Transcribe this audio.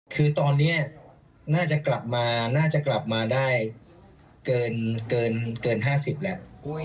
คือตอนนี้น่าจะกลับมาได้เกิน๕๐แล้ว